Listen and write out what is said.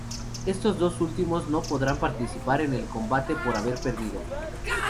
Estos dos últimos no podrán participar en el combate por haber perdido.